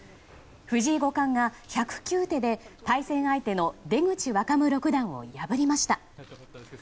藤井五冠が１０９手で対戦相手の出口若武六段を破りました。